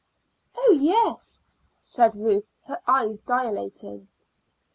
"Oh, yes," said Ruth, her eyes dilating.